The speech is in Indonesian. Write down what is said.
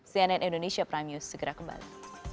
cnn indonesia prime news segera kembali